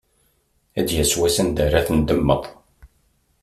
Ad d-yas wass anda ara tendemmeḍ.